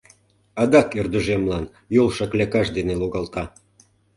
Адак ӧрдыжемлан йол шаклякаж дене логалта.